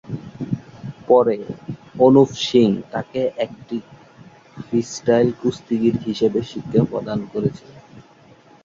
পরে, অনুপ সিং তাকে একটি ফ্রিস্টাইল কুস্তিগীর হিসেবে শিক্ষা প্রদান করেছিলেন।